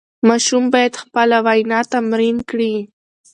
ماشوم باید خپله وینا تمرین کړي.